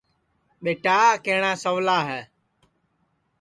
ٻیٹا کیہٹؔا سَولا ہے